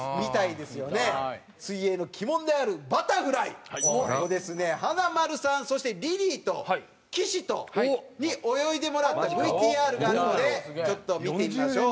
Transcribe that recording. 水泳の鬼門であるバタフライをですね華丸さんそしてリリーと岸に泳いでもらったＶＴＲがあるのでちょっと見てみましょう。